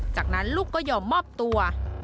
จากนั้นลูกก็ยอมมอบตัว